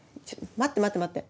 待って待って待って。